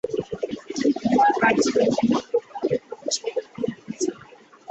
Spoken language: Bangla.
তিনি হোমার, ভার্জিল এবং অন্যান্য বিখ্যাত লেখকদের সাহিত্য পড়ে ফেলেছিলেন।